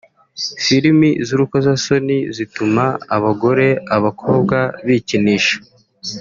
Filimi z’urukozasoni zituma abagore/abakobwa bikinisha